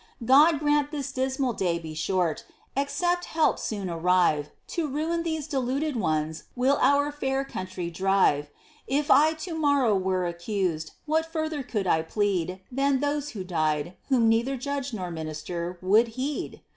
"God grant this dismal day be short! Except help soon arrive, To ruin these deluded ones will our fair country drive. If I to morrow were accused, what further could I plead Than those who died, whom neither judge nor minister would heed?